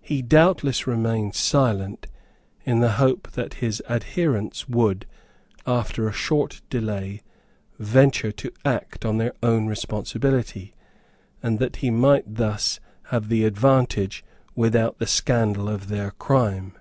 He doubtless remained silent in the hope that his adherents would, after a short delay, venture to act on their own responsibility, and that he might thus have the advantage without the scandal of their crime.